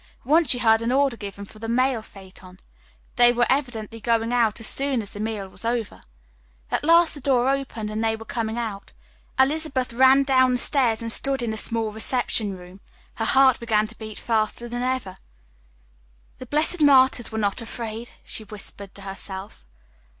Once she heard an order given for the mail phaeton. They were evidently going out as soon as the meal was over. At last the door opened and they were coming out. Elizabeth ran down the stairs and stood in a small reception room. Her heart began to beat faster than ever. "The blessed martyrs were not afraid," she whispered to herself.